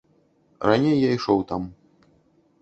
Раней я ішоў там.